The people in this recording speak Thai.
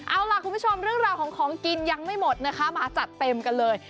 เอาล่ะคุณผู้ชมเรื่องราวของของกินยังไม่หมดนะคะมาจัดเต็มกันเลย